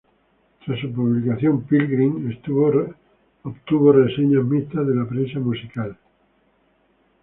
Tras su publicación, "Pilgrim" obtuvo reseñas mixtas de la prensa musical.